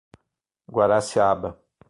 Guaraciaba